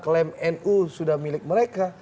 klaim nu sudah milik mereka